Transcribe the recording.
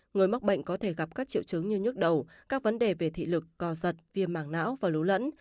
người mắc bệnh có thể gặp các triệu chứng như nhức đầu các vấn đề về thị lực co giật viêm mảng não và lũ lẫn